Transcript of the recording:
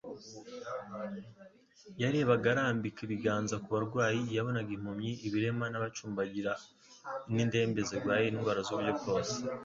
Yarebaga arambika ibiganza ku barwayi. Yabonaga impumyi, ibirema n'abacumbagira n'indembe zirwaye indwara z'uburyo bwose